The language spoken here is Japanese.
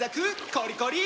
コリコリ！